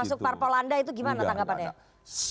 masuk parpol anda itu gimana tanggapannya